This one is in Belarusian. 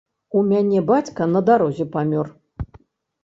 У мяне бацька на дарозе памёр!